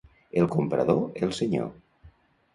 El comprador, el senyor.